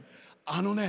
あのね